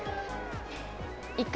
１回。